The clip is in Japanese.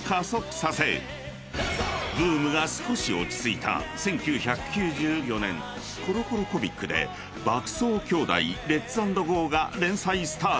［ブームが少し落ち着いた１９９４年『コロコロコミック』で『爆走兄弟レッツ＆ゴー‼』が連載スタート］